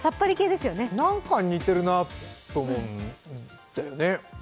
何かに似てるなと思うんだよね。